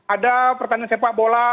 ada pertanian sepak bola